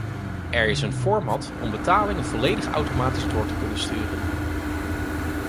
Er is een format om betalingen volledig automatisch door te kunnen sturen.